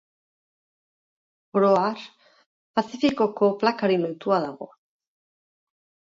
Oro har, Pazifikoko plakari lotua dago.